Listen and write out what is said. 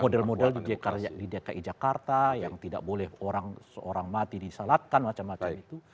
model model di dki jakarta yang tidak boleh orang seorang mati disalatkan macam macam itu